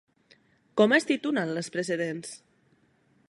Com es titulen les precedents?